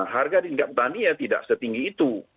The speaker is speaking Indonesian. harga di tingkat petani ya tidak setinggi itu